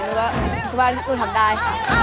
พอที่บ้านหนูทำได้